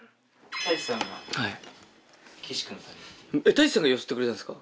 太一さんがよそってくれたんですか？